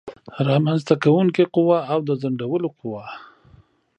رامنځته کوونکې قوه او د ځنډولو قوه